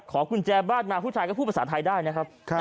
กุญแจบ้านมาผู้ชายก็พูดภาษาไทยได้นะครับ